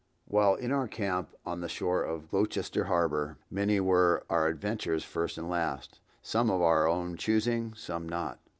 While in our camp on the shore of Gloucester harbor, many were our adventures first and last, some of our own choosing, some not.